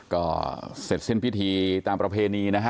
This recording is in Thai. ก็เสร็จสิ้นพิธีตามประเพณีนะฮะ